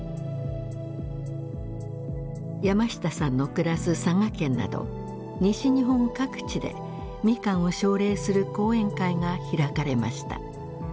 山下さんの暮らす佐賀県など西日本各地でミカンを奨励する講演会が開かれました。